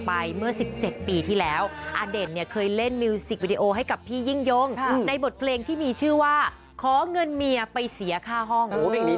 เพื่อนเมียไปเสียค่าห้อง